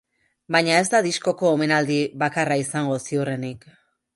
Baina ez da diskoko omenaldi bakarraizango ziurrenik.